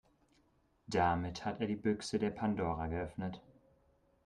Damit hat er die Büchse der Pandora geöffnet.